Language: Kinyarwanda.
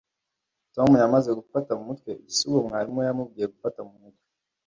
tom yamaze gufata mu mutwe igisigo mwarimu we yamubwiye gufata mu mutwe